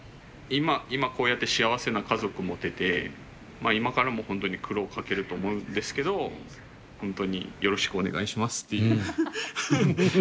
今こうやって幸せな家族持てて今からも本当に苦労をかけると思うんですけど本当によろしくお願いしますっていう。